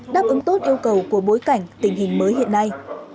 đáp ứng tốt yêu cầu của bối cảnh tình hình mới hiện nay